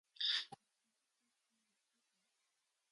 Надад ажил хийх хүн хэрэгтэй байна.